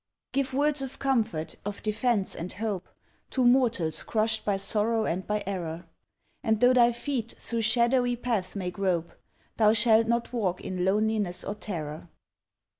Give words of comfort, of defense, and hope, To mortals crushed by sorrow and by error. And though thy feet through shadowy paths may grope, Thou shalt not walk in loneliness or terror.